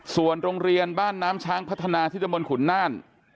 ส่วนโรงเรียนบ้านน้ำช้างพัฒนาที่ตะบนขุนน่าน